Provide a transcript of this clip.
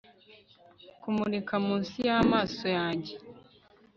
Kumurika munsi yamaso yanjye